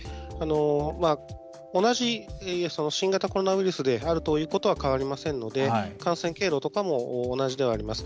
同じ新型コロナウイルスであるということは変わりませんので感染経路とかも同じではあります。